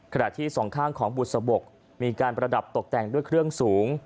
ที่สองข้างของบุษบกมีการประดับตกแต่งด้วยเครื่องสูง